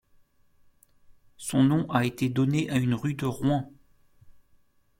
Son nom a été donné à une rue de Rouen.